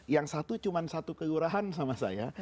yang satu cuma satu kelurahan sama saya